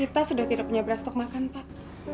kita sudah tidak punya beras stok makan pak